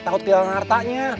takut ke dalam hartanya